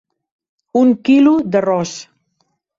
Un quilo d'arròs.